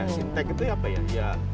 sintek itu apa ya